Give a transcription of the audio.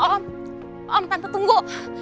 om om tante tunggu